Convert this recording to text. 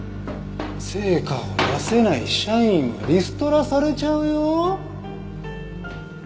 成果を出せない社員はリストラされちゃうよ？